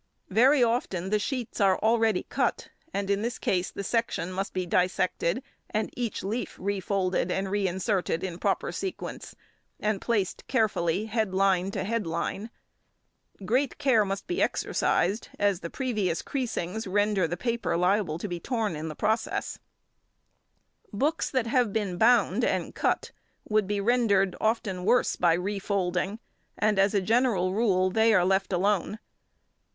Very often the sheets are already cut, and in this case the section must be dissected and each leaf refolded and reinserted in proper sequence, and placed carefully head line to head line. Great care must be exercised, as the previous creasings render the paper liable to be torn in the process. [Illustration: Knocking down Iron screwed into Press.] Books that have been bound and cut would be rendered often worse by refolding, and as a general rule they are left alone.